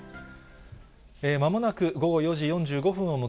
まもなく午後４時４５分を迎